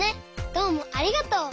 どうもありがとう。